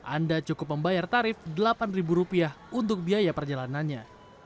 anda cukup membayar tarif rp delapan untuk biaya perjalanannya